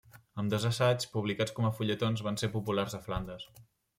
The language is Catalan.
Ambdós assaigs, publicats com a fulletons, van ser populars a Flandes.